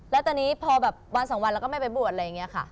แล้วตอนนี้พอแบบวันสองวันเราก็ไม่ไปบวชอะไรอย่างนี้ค่ะ